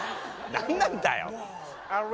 何なんだよ！